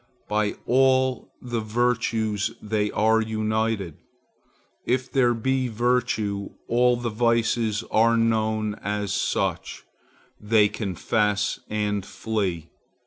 By all the virtues they are united. If there be virtue, all the vices are known as such; they confess and flee.